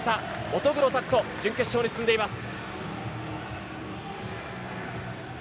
乙黒拓斗準決勝に進んでいます。